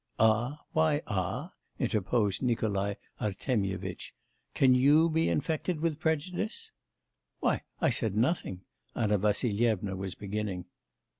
'Ah! why ah?' interposed Nikolai Artemyevitch. 'Can you be infected with prejudice?' 'Why, I said nothing ' Anna Vassilyevna was beginning.